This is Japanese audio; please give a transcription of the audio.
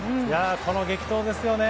この激闘ですよね。